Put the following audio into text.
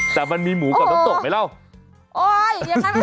แต่มันมีหมูกับน้ำตกไหมเล่า